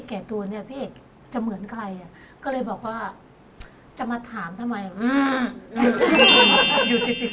ข้าวแคร์เหมือนกันได้อะไรอย่างนี้